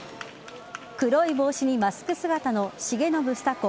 黒い帽子にマスク姿の重信房子